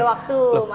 masih ada waktu